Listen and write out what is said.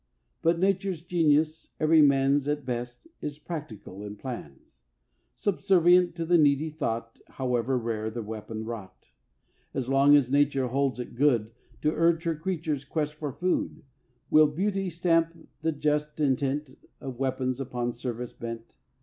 But Nature's genius, even man's At best, is practical in plans; Subservient to the needy thought, However rare the weapon wrought. As long as Nature holds it good To urge her creatures' quest for food Will beauty stamp the just intent Of weapons upon service bent.